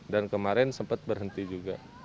dan kemarin sempat berhenti juga